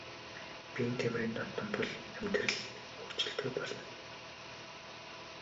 Биеийн тамирын донтон бол бол амьдрал хөгжилтэй болно.